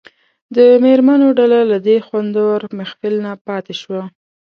د مېرمنو ډله له دې خوندور محفل نه پاتې شوه.